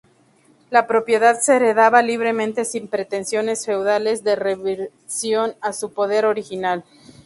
La propiedad se heredaba libremente sin pretensiones feudales de reversión a su poder original.